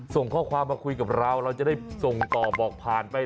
ส่งข้อความมาคุยกับเราเราจะได้ส่งต่อบอกผ่านไป